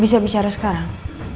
bisa bicara sekarang